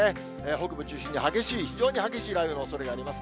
北部中心に激しい、非常に激しい雷雨のおそれがあります。